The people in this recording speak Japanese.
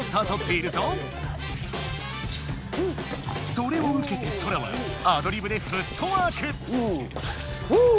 それをうけてソラはアドリブでフットワーク！